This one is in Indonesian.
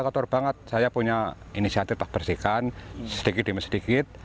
saya yang motor banget saya punya inisiatif paham bersihkan sedikit demi sedikit